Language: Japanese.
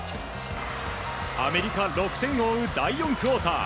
アメリカ、６点を追う第４クオーター。